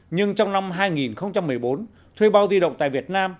nhưng trong năm hai nghìn một mươi bốn thuê bao di động tại việt nam